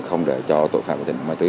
không để cho tội phạm và tệ nạn ma túy